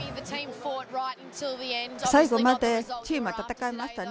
最後までチームは戦いましたね。